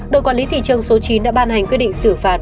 đội quản lý thị trường số chín đã ban hành quyết định xử phạt